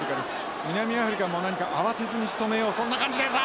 南アフリカも何か慌てずにしとめようそんな感じです。